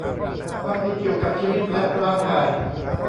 ความผิดเกี่ยวกับชีวิตและร่างกาย